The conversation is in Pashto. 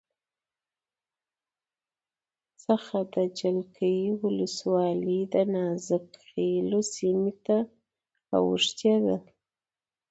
څخه د جلگې ولسوالی دنازک خیلو سیمې ته اوښتې ده